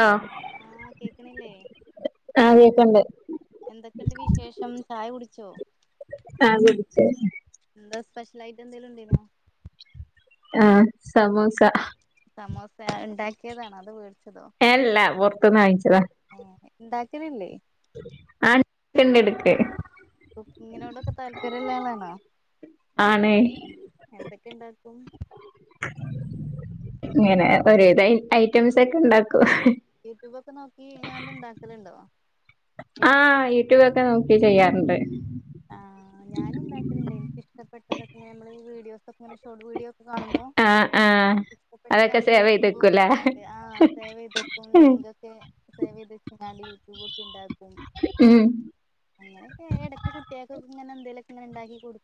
ആ ആ കേക്കണില്ലേ? കേക്ക്ണ്ട് എന്തൊക്കെയുണ്ട് വിശേഷം. ചായ കുടിച്ചോ? കുടിച്ചു. എന്താ സ്പെഷ്യൽ ആയിട്ട് എന്തെലും ഉണ്ടേനോ? ആ സമൂസ സമൂസ ഉണ്ടാക്കിയതാണോ അത് മേടിച്ചതോ? ഇപ്പംമേയിച്ചതാ. ഉണ്ടാക്കലില്ലേ? ആ എടുക്ക് കുക്കിങ്ങിനോടൊക്കെ താല്പര്യമുള്ള ആളാണോ? ആണ് പ്പം ഇങ്ങനെ ഒരു വിധം ഐറ്റംസ് ഒക്കെ ഉണ്ടാക്കും. യൂട്യൂബ് നോക്കി ഇങ്ങണ്ട് ഇണ്ടാക്കലുണ്ടോ? ആ യൂട്യൂബ് ഒക്കെ നോക്കി ചെയ്യാറുണ്ട്. ആ ഞാൻഉണ്ടാക്കലുണ്ട്. എനിക്കിഷ്ടപ്പെട്ടതൊക്കെ നമ്മളി വീഡിയോസ് ഒക്കെ ഷോർഡ് വീഡിയോ കാണുമ്പോ ആഹ് ആഹ് അതൊക്കെ ഇഷ്ടപ്പെട്ടതാണെങ്കി സേവ് ചെയ്ത് യൂട്യൂബ് നോക്കി വെക്കൂലേ ആസേവ് ചെയ്തിപ്പും ലിങ്ക് ഒക്കെ സേവ് ചെയ് യൂടൂബ് നോക്കി ഉണ്ടാക്കും ഉം അങ്ങനൊക്കെ ഇട. അങ്ങനെഎന്തലും ഒക്കെ ഉണ്ടാക്കി കൊടു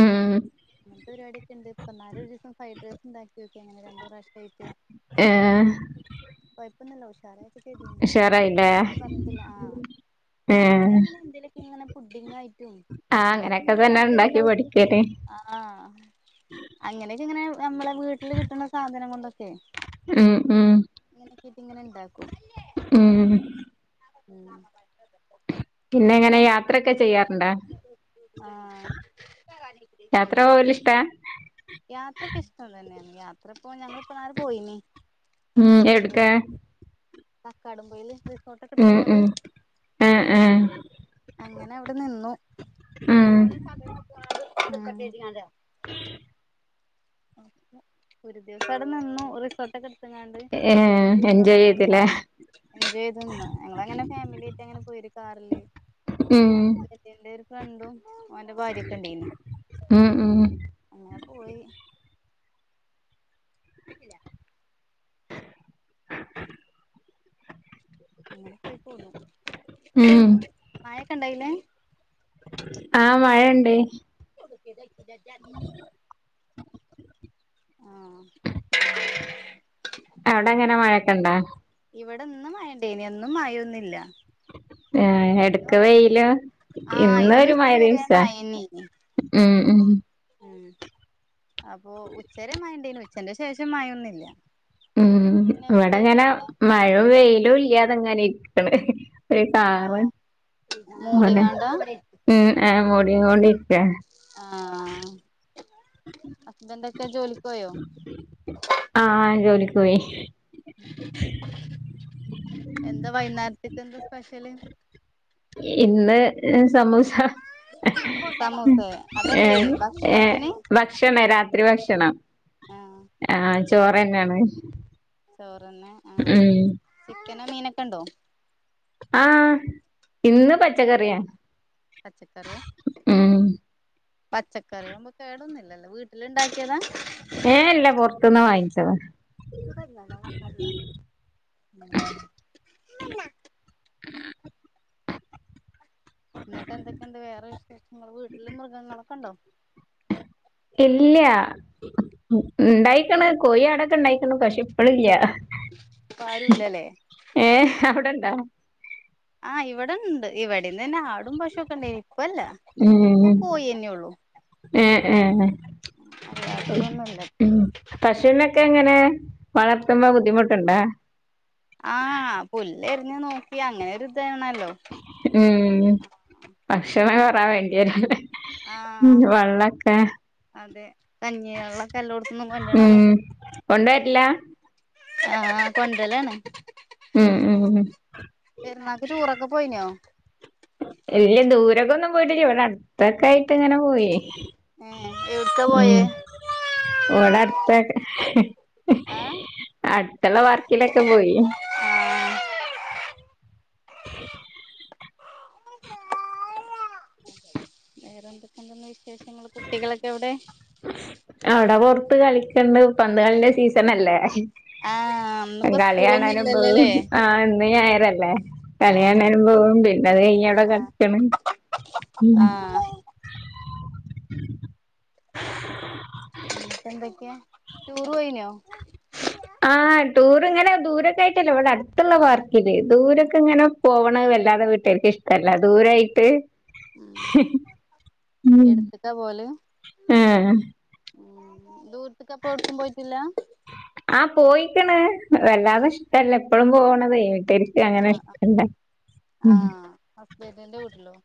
ഉം അങ്ങനത്തെ പരിപാടിയൊക്കെ ഉണ്ട്. ഇന്നാൾ ഒരു ദിവസം ഫ്രൈഡ് റൈസ് ഉണ്ടാക്കി ങ്ങനെ രണ്ടു പ്രാവശ്യമായിട്ട് ഏഹ് [unintelligible] കൊഴപ്പൊന്നല്ല ഉഷാറായിട്ട് ചെയ്യും. ഉഷാറായില്ലേ കൊഴപ്പമൊന്നുപറഞ്ഞിട്ടില്ല. ആ ഏഹ് അങ്ങനെ അങ്ങനെ എന്തേലൊക്കെ ഇങ്ങനെ ഫുഡ് ഇങ്ങനെ കഴിക്കും ആഹ് നമ്മക്ക് അങ്ങനെയൊക്കെ ഇങ്ങനെ തന്നെ താല്പര്യം ഇണ്ടാക്കി എന്താന്നു വെച്ചാൽ പഠിക്കല് ആ അങ്ങനെയൊക്കെ ഇങ്ങനെ നമ്മളെ വീട്ടിൽ കിട്ടുന്ന സാധനം കൊണ്ട് [unintelligible] ഉം ഉം അങ്ങനക്കെ ഇട്ട് ഇങ്ങനെ ഉണ്ടാക്കും ഉം ഉം പിന്നെ ഇയ്യോ എങ്ങനെ യാത്രൊക്കെ ചെയ്യാറുണ്ടാ ആഹ് യാത്ര പോവല് ഇഷ്ടാ യാത്രക്ക് ഇഷ്ടം തന്നെയാണ് യാത്ര പോ ഞങ്ങിപ്പോര് പോയിന് ഉം എവിടുക്ക തക്കാടും [unintelligible] ഉം [unintelligible] ആഹ് ഉം ആഹ് അങ്ങനെ അവിടെ നിന്നു ഉം [unintelligible] അഹ് [unintelligible] ഒരു ദിവസം അവിടെ നിന്നു റിസോർട്ടൊക്കെ എടുത്ത്ങ്ങാണ്ട് ഏ പിറ്റത്തെ ദിവസം എൻജോയ് എന്താ ചെയ്തില്ലേ എൻജോയ് ചെയ്ത് ന്ന് ഞങ്ങളങ്ങനെ ഫാമിലി ആയിട്ട് അങ്ങനെ പോയി ഒര് കാറില് ഉം പിന്നെ [unintelligible] ഒരു ഫ്രണ്ടും അവന്റെ ഭാര്യൊക്കെ ഇണ്ടേന് ഉം ഉം അങ്ങനെ പോയി [unintelligible] അങ്ങനെ പോയി പോന്നു ഉം മഴെക്കെ ഇണ്ടായില്ലേ ആഹ് മഴയുണ്ട് [unintelligible] അവിടെ എങ്ങനെ മഴൊക്കെ ഇണ്ടാ ഇവിടെ ഇന്ന് മഴണ്ടേനി എന്നും മഴയൊന്നില്ല ഏഹ് എടക്ക് വെയില ആഹ് ഇന്ന് ഉച്ച വരെ മയന്നേ നി ഉം ഉം മ് അപ്പോ ഉച്ച വരെ മഴ ഇണ്ടായിനി ഉച്ചന്റെ ശേഷം മഴയൊന്നുല്ല ഉം ഇവിടെങ്ങനെ മഴയും വെയിലും ഇല്ലാതെങ്ങനെ ഇരിക്ണ് ആ [unintelligible] ഇങ്ങനെ മൂടിങ്ങാണ്ടാ ഉം എഹ് മൂടിക്കോണ്ടിര്ക്കാ ആഹ് ഹസ്ബൻഡക്കെ ജോലിക്ക് പോയോ പോയ് എന്താ വൈകുന്നേത്തെക്ക് എന്താ സ്പെഷ്യല് ഏ സമോസ സമൂസേ ഏ അതല്ലേ ഏ ഭക്ഷണത്തിന് ഭക്ഷണെ രാത്രി ഭക്ഷണം ആ ആഹ് ചോറന്നേണ് ചോറിന്നെ ആഹ് ചിക്കനും മീനൊക്കെ ഇണ്ടോ ആഹ് ഇന്ന് പച്ചക്കറിയാ പച്ചക്കറിയാ ഉം പച്ചക്കറിയാവുമ്പോ കേടൊന്നില്ല ലൊ വീട്ടില് ഇണ്ടാക്കിയതാ ഏഹ് ഇല്ല പൊറത്തുന്ന് വാങ്ങിച്ചത ഉം എന്നിട്ട് എന്തൊക്കെണ്ട് വേറെ വിശേഷങ്ങള് വീട്ടില് മൃഗങ്ങളൊക്കെ ഉണ്ടോ ഇല്ല ഉണ്ടായിക്കണ് കോഴി ആടൊക്കെ ഉണ്ടായിക്കണ് പക്ഷേ ഇപ്പഴില്ല ഇപ്പാരുല്ലല്ലേ ഏഹ് അവിടെ ണ്ടോ ആഹ് ഇവിടെണ്ട് ഇവടിം തന്നെ ആ ടും പശു ഒക്കെണ്ടേനി. ഇപ്പല്ല ഇപ്പൊ കോയിന്നെ ഉള്ളു ഏഹ് ഹെ മ് പശുനെ ഒക്കെ എങ്ങനെ വളർത്തുന്നത് ബുദ്ധിമുട്ടു ണ്ടോ ആഹ് പുല്ല് എരിഞ്ഞു നോക്കി അങ്ങനെ ഒരു ഇതേണ് ഉം ഭക്ഷണം കൊറാ വേണ്ടി യേരുല്ലേ. ഉം ആഹ് വള്ളക്കേ? അതെ കഞ്ഞിയള്ളൊക്കെ എല്ലോട്ത്ത്ന്നും കൊണ്ട്രണം. ഉം കൊണ്ടുവരില്ല ആഹ് ആ കൊണ്ടര്ല്ലാണ്. ഉം ഉം പെരുന്നാക്ക് ടൂറൊക്കെ പോയിനോ? വലിയ ദൂരക്ക് ഒന്നും പോയിട്ടില്ല. ഇവിടെ അടുത്തൊക്കായി ട്ടിങ്ങനെ പോയി. ഏഹ് എവിട്ക്കാ പോയേ ഉം. ഓടെ അടുത്തൊക്ക. ആഹ് അടുത്തുള്ള വർക്കിയിലൊക്കെ പോയി. [unintelligible] വേറെ എന്തൊക്കെണ്ടന്ന് വിശേഷങ്ങള് കുട്ടികളൊക്കെ എവിടെ? അവിടെ പൊറത്ത് കളിക്കണ്ട് പന്ത് കളിന്റെ സീസണല്ലേ? ആഹ് ഇന്നിപ്പോ കളി സ്കൂളൊന്നും കാണാനും പോവും ഇല്ലല്ലോല്ലേ ആഹ് ഇന്ന് ഞായറല്ലേ? ആഹ് കളിയാണാനും പോവും പിന്നെ അത് കഴിഞ്ഞ് അവിടെ ആഹ് ആഹ് കളിക്ക്ണ്. ഉം. ആഹ് ട്ട് എന്തൊക്കെ ടൂർ പോയിനോ? ട്ടല്ല. ഇവിടെ അടുത്തുള്ള പാർക്കില് ദൂരൊക്കങ്ങനെ പോവ്ണ വല്ലാതെ വീട്ടേർക്ക് ഇഷ്ടല്ല ദൂരേയിട്ട്. എടുത്ത്ക്ക പോവല്ല്. ഏഹ് ഉം ദൂരത്ത്ക്ക് അപ്പ ഒട്ക്കും പോയിട്ടില്ല. ആഹ് പോയിക്ക്ണ് വല്ലാതെ ഉം ഇഷ്ടല്ല ഇപ്പഴും പോണതേ. ആഹ് അഹ് ആ ഉം ഹസ്ബൻഡിന്റെ വീട്ട്ലോ?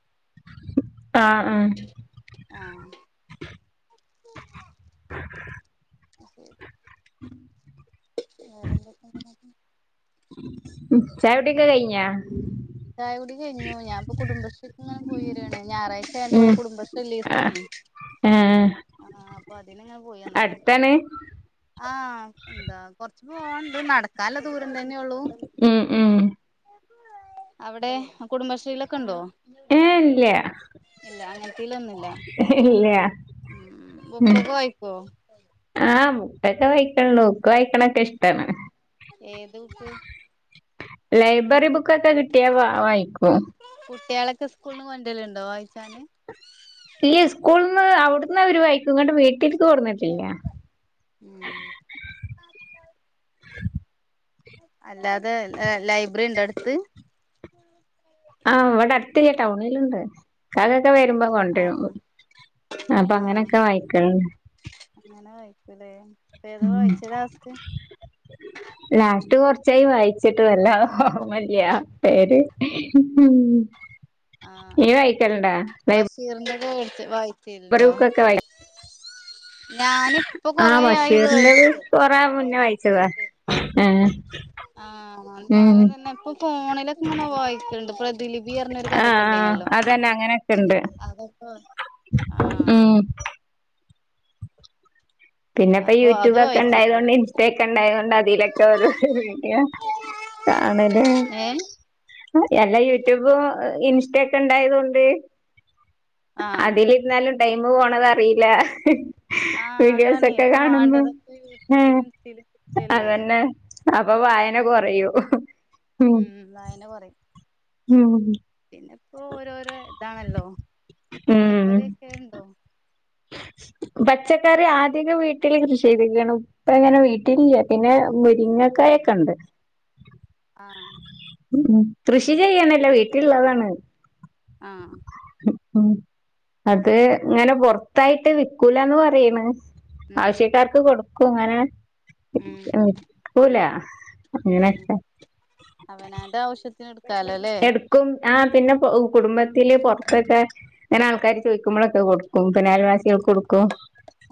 ആ ആ ആഹ് ന്നാ ശെരി വേറെന്തക്കെ [unintelligible] ഉം ചായുട്യൊക്കെ കഴിഞ്ഞാ? ചായ കുടി കഴിഞ്ഞു. ഞാപ്പോ കുടുംബശ്രീക്ക് ഇങ്ങനെ പോയി വരാണ് ഞായറാഴ്ച ആയണ്ട് ഇവടെ കുടുംബശ്രീ ഇല്ലീസാണേ. ഏഹ് ആഹ് അപ്പൊ അതിന്ങ്ങനെ പോയി വന്നതാ അടുത്താണ് ആഹ് എന്താ കൊറ ച്ച് പോവാണ്ട് നട്ക്കാൻല്ല ദൂരം തന്നെഒള്ളു. ഉം ഉം അവിടെ കുടുംബശ്രീയിലൊക്കെ ഉണ്ടോ? ഏ ഇല്ല ഇല്ല അങ്ങൻത്തെയ്ലൊന്നുല്ല. ഇല്ല ഉം ബുക്കൊക്കെ വായ്ക്കോ? ട്ടെക്കെ വയിട്ടൊള്ളൂ. ബുക്ക് വായിക്ക്ണൊക്കെ ഇഷ്ടാണ്. ഏത് ബുക്ക്‌? ലൈബ്രറി ബുക്കൊക്കെ കിട്ടിയാ വ വായിക്കും. കുട്ട്യേളൊക്കെ സ്കൂള്ന്ന് കൊണ്ടലുണ്ടോ വായിച്ചാന്ന്? ഈ സ്കൂൾന്ന് അവിടന്ന് അവര് വൈക്കും. ഇങ്ങട്ട് വീട്ടിക്ക് കൊട്ന്നിട്ടില്ല. ഉം അല്ലാതെ ലെ ലൈബ്രറി ണ്ടോ അടുത്ത്? ആഹ് ഇവിടെ അടുത്ത് ടൗണിലുണ്ട് കാ ക്ക വരുമ്പോ കൊണ്ടരും. ആഹ് അപ്പൊ ആഹ് അങ്ങനെക്കെ വായിക്കൽണ്ട്. ഇതെ. ഉം ലാസ്റ്റ് കൊർ ചൈ വായിച്ചിട്ട് വല്ലാതെ ഓർമല്യ പേര്. ഇയ്യ് വയിക്കൽണ്ടാ? ലെ ലേട്ത്ത് വായിച്ചിൽണ്ടോ? ഞാനിപ്പൊ ആ കൊറേയായി ബഷീറിന്റെത് കൊറേ മുന്നേ വായിച്ചതാ [unintelligible] ആ, ആഹ് ഉം. അം തന്നെ ഇപ്പൊ ഫോണിലൊക്കെ ഇങ്ങനെ വായിക്കല്ണ്ട് പ്രദിലിപി അർഞ്ഞൊരു ആ കഥക്കെ ണ്ടായ്ഞല്ലോ. അതന്നെ അങ്ങനെക്കെണ്ട്. ആഹ് ഉം പിന്നെ ഇപ്പ അപ്പൊ അത് യൂട്യൂബ് ഒക്കെ വായിച്ചീനി ഇണ്ടായതൊണ്ട് ഇൻസ്റ്റ ഒക്കെ ഇണ്ടായതൊണ്ട് അതിലൊക്കെ ഓരോ രുവീഡിയോ കാണല്. ഏഹ് എല്ലാ യൂട്യൂബും അഹ് ഇൻസ്റ്റക്കെ ണ്ടായതൊണ്ട് ആഹ് അതിലിരുന്നാലും ടൈമ് പോണതറിയില്ല. ആഹ് അതാണ് ഇപ്പൊ വേണ്ടതൊക്കെ ഉം. യൂട്യുബിലും ഇൻസ്റ്റയിലും കിട്ടല്ലേ. അതന്നെ അപ്പൊ വായന കൊറയൂ. ഉം വായന കൊറയും. ഉം പിന്നെ ഇപ്പോ ഓരോരോ ഇതാണല്ലോ ഉം പച്ചക്കറിക്കെ ഇണ്ടോ [inaudible] പച്ചക്കറി ആദ്യൊക്കെ വീട്ടില് കൃഷി ചെയ്തിരിക്കയാണ് ഇപ്പ അങ്ങനെ വീട്ടിലില്ല പിന്നെ മുരിങ്ങക്കാ ക്കണ്ട് [unintelligible] ആഹ് കൃഷി ചെയ്യണല്ല വീട്ടിലുള്ളതാണ്. ആഹ് ഉം അത് ഇങ്ങനെ പൊറത്തായിട്ട് വിക്കൂലാന്ന് പറയണ്. ഉം ആവശ്യക്കാർക്ക് കൊടുക്കുവോ ഇങ്ങനെ ഉം വിക്കൂല. ഉം അങ്ങനെയൊക്കെ അവനൊന്റെ ആവശ്യത്തിന് എടുക്കാലോല്ലേ. ആഹ് പിന്നെ കുടുംബത്തില് പൊറത്തൊക്കെ അങ്ങനെ ആൾക്കാര് ചോദിക്കുമ്പോഴൊക്കെ കൊടുക്കും. പിന്നെ ആയൽവാസികൾക്ക് കൊടുക്കും.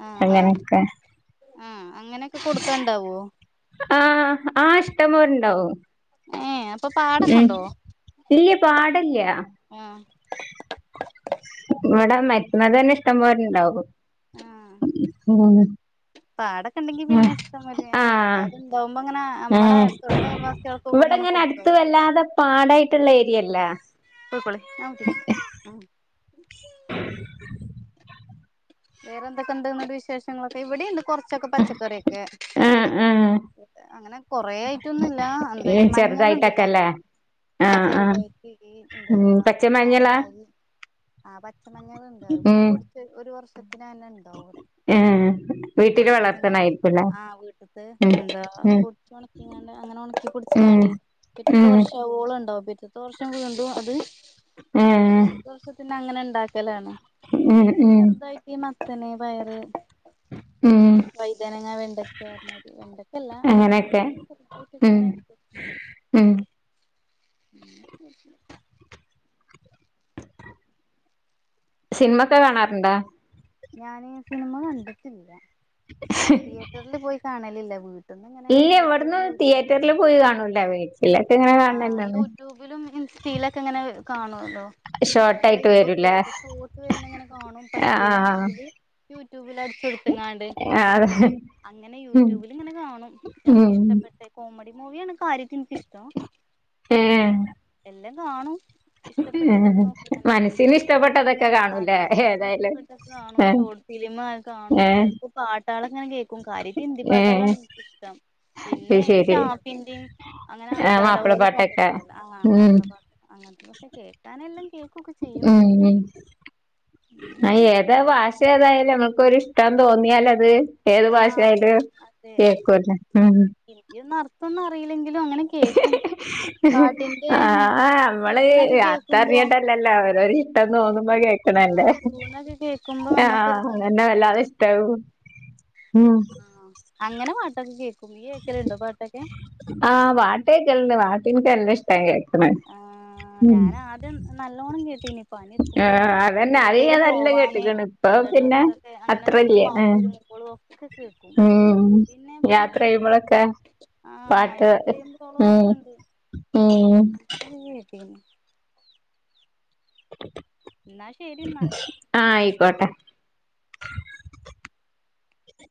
ആഹ് ആഹ് അങ്ങനെയൊക്കെ ആഹ് അങ്ങനെയൊക്കെ കൊടുക്കാനുണ്ടാവോ ആഹ് ആ ഇഷ്ട്ടപൊലെണ്ടാവും. ഏ അപ്പൊ പാടൊക്കെ ഉം ഉണ്ടോ ഇല്ല്യ പാടല്യ. ആഹ് ഇവിട മ [unintelligible] റ്റ അത തന്നെ ഇഷ്ട്ടപോലെഇണ്ടാവും ഹും പാടൊക്കെണ്ടങ്കി പിന്നെ ഇഷ്ടം മാതിരി ആ അല്ലാതെ ഇണ്ടാവുമ്പോ അങ്ങനെ നമ്മടെ ആഹ് തൊട്ട അയൽവാസികൾക്ക് ഇങ്ങനെ ഇവിടെങ്ങനെ അടുത്ത് കൊടുക്കാവൂലേ വല്ലാതെ പാടായിട്ടുള്ള ഏരിയല്ല. ക്കളി ആട്ട ആ [unintelligible] വേറെന്തൊക്കെണ്ട് ന്ന്ട്ട് വിശേഷങ്ങളൊക്കെ ഇവടെണ്ട് കൊറച്ചൊക്കെ പച്ചക്കറിയൊക്കെ. ആഹ് ആഹ് അങ്ങനെ കൊറെ ഐറ്റംന്നുല്ലാ എന്താ ഈ ഏഹ് മഞ്ഞള് ചെറുതായിട്ടൊക്കെല്ലേ [unintelligible] ആഹ് ചെറു ഉം പച്ചമഞ്ഞളാ [inaudible] ആഹ് പച്ചമഞ്ഞള് ഇണ്ട് അത് പിന്നെ ഉം പൊടിച്ച് ഒരു വർഷത്തിന്ന്നെ ഇണ്ടാവും ഇവടെ ഏഹ് വീട്ടില് പൊടിപ്പിച്ചങ്ങാണ്ട് വളർത്തണായിരിക്കുംല്ലേ ആഹ് വീട്ടത്ത് ഉം എന്താ പൊടിച്ചോണക്കിങ്ങാണ്ട് അങ്ങനെ ഒണക്കി ഉം ഉം പൊടിച്ചുങ്ങാണ്ടേ പിറ്റത്തെ ഉം വർഷം ആവോളം ഇണ്ടാവും. പിറ്റത്തെ വർഷം വീണ്ടും അത് ഏഹ് അടുത്ത വർഷത്തിന് അങ്ങനണ്ടാക്കലാണ് ഉം പിന്നെ ഉം ചെറുതായി മത്തന്, പയറ് ഉം വൈതാനങ്ങ, വെണ്ടക്ക പറഞ്ഞാല് വെണ്ടക്കല്ലാ [inaudible] അങ്ങനെയൊക്കെ ഉം ഉം [inaudible] സിനിമക്കെ കാണാറ്ണ്ടാ? ഞാന് സിനിമ കണ്ടിട്ടില്ല. തിയറ്ററില് പോയി കാണലില്ല വീട്ട ഇല്ല ഇവടന്ന് തിയറ്ററില് പോയി കാണൂല. വീ ആഹ് യൂട്യൂബിലും ഇൻസ്റ്റയിലൊക്കങ്ങനെ കാണുല്ലോ. എന്താ ഷോർട്ട് ആയിട്ട് വരൂലേ ഫേസ്ബുക്കിലൊക്കെ ഷോട്ട് വരുന്നങ്ങനെ കാണും. പറ്റിയതാണെങ്കില് യൂട്യൂബിൽ അടിച്ചോ ആഹ്‌ അതെ അങ്ങനെ യൂട്യൂബിലിങ്ങനെ കാണും. ഉം നമുക്ക്ഷ്ടപ്പെട്ട കോമഡി മൂവിയാണ് കാര്യത്തി എനിക്കിഷ്ടം. പിന്നെ ഏഹ് എല്ലം കാണും ഇഷ്ടപ്പെട്ടതൊക്കെ ഏഹ് നോക്കി ഇങ്ങനെ മനസ്സിന് ഇഷ്ടപ്പെട്ടതൊക്കെ കാണൂലേ അതെ മനസ്സിന് ഏതായാലും ഇഷ്ടപ്പെട്ട കാണും ഏഹ് ഷോ ട്ട് ഫിലിമൊക്കെ കാണും ഏഹ് ചെൽപ്പോ പാട്ടള് ഇങ്ങനെ കേക്കും കാര്യം ഹിന്ദി ഏഹ് പാട്ടളാണ് ഇൻക്ക് ഇഷ്ടം അത് പിന്നെ ഈഹ് ശരി ഷാഫിന്റേം അങ്ങനെ ആൾക്ക ആഹ് കരവോല മാപ്പിളപ്പാട്ടൊക്കെ പാട്ടൊക്കെണ്ടല്ലോ ആഹ് ഉം മാപ്പിള പാട്ട് അങ്ങനത്തെക്കെ കേൾക്കാനെല്ലാം കേൾക്കൊക്കെ ചെയ്യും മ് മ് ആ അങ്ങനെയൊക്കെ ഏതാ ഭാഷ ഏതായാലും നമ്മക്കൊരിഷ്ടം തോന് യാൽ അത് ഏത് ആ ഭാഷയായാലും അതെ കേൾക്കുവല്ലോ, മ് മ് ഇതൊന്നും അറിയില്ലെങ്കിലും അങ്ങനെ കേക്കും. പാട്ടിന്റെ അ ആഹ് ആ നമ്മള് ട്യൂണൊക്കെ അർത്ഥ കേൾക്കുമ്പോ അറിഞ്ഞിട്ടല്ലല്ലോ ഓരോര് ഇഷ്ടം അതെ തോന്നുമ്പ കേക്കണ്ണ്ട് ആ ട്യൂണൊക്കെ കേൾക്കുമ്പോ ആഹ് ആഹ് ആഹ് എന്നെ വല്ലാതെ ഇഷ്ടാവും. ഉം ആഹ് അങ്ങനെ പാട്ടൊക്കെ കേക് ആഹ് പാട്ടെക്കൽണ്ട് പാട്ട്ന്ക്ക് നല്ല ഇഷ്ട്ടാ കേ ആഹ് ഞാനാദ്യം നല്ലോണം കേ പണിയെടുക്കുമ്പോഴും ആഹ് അതന്നെ അത് എവിടിക്കേലും ഞാൻ നല്ല പോവാന് കേട്ട്ക്കണ് ഇപ്പൊ എന്ത പിന്നെ ഡ്രസ്സൊക്കെ അങ്ങനെ നമ്മള് അത്രല്യ മാറ്റി വരുമ്പോ അപ്പോളൊക്കെ കേക്കും ഉം പിന്നെപ്പോ, യാത്ര ചെയ്യുമ്പോഴൊക്കെ ആ യാത്ര ചെയ്യുമ്പോ ളൊക്കെണ്ട്. മ് [unintelligible] എന്നാ ശരി എന്നാ ആയിക്കോട്ടെ.